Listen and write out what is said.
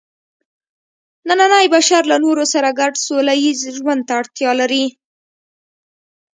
نننی بشر له نورو سره ګډ سوله ییز ژوند ته اړتیا لري.